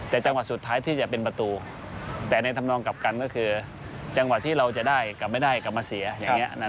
แต่จังหวะสุดท้ายที่จะเป็นประตูแต่ในธรรมนองกลับกันก็คือจังหวะที่เราจะได้กลับไม่ได้กลับมาเสียอย่างนี้